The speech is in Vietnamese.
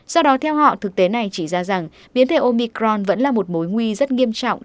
do đó theo họ thực tế này chỉ ra rằng biến thể omicron vẫn là một mối nguy rất nghiêm trọng